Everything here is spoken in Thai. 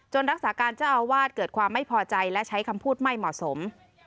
รักษาการเจ้าอาวาสเกิดความไม่พอใจและใช้คำพูดไม่เหมาะสม